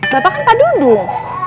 bapak kan pak dudung